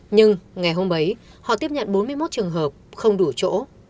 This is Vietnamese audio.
nhưng ngày hôm ấy họ tiếp nhận bốn mươi một trường hợp không đủ chỗ